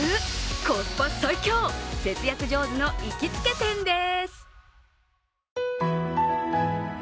コスパ最強節約上手の行きつけ店です。